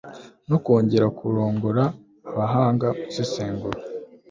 no kongera kurongora. abahanga mw'isesengura